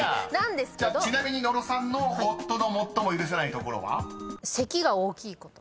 ［ちなみに野呂さんの夫の最も許せないところは？］